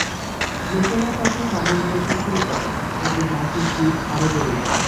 লোকেরা তাঁকে পাগল বলতে শুরু করে, এতে মাঝির জিদ আরও বেড়ে যায়।